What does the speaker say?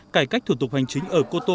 cải cách thủ tục hành chính ở cô tô